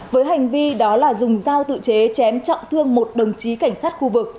với hành vi đó là dùng dao tự chế chém trọng thương một đồng chí cảnh sát khu vực